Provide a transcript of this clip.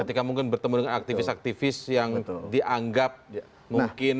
ketika mungkin bertemu dengan aktivis aktivis yang dianggap mungkin